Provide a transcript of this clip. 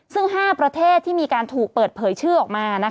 ซึ่ง๕ประเทศที่มีการถูกเปิดเผยชื่อออกมา